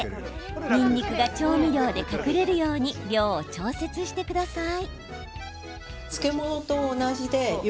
にんにくが調味料で隠れるように量を調節してください。